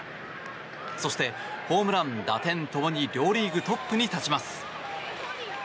そしてホームラン、打点ともに両リーグトップに立ちます。